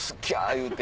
言うて。